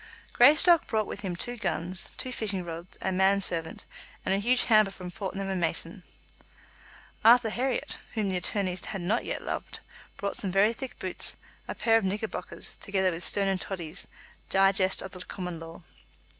Greystock brought with him two guns, two fishing rods, a man servant, and a huge hamper from Fortnum and Mason's. Arthur Herriot, whom the attorneys had not yet loved, brought some very thick boots, a pair of knickerbockers, together with Stone and Toddy's "Digest of the Common Law."